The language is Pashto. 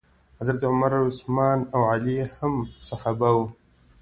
حضرت عمر، عثمان او علی هم صحابه وو.